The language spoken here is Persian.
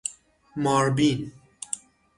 ماربین